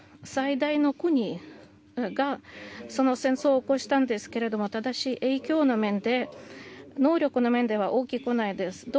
最大の国がその戦争を起こしたんですけどただし、影響の面で能力の面では大きくないです。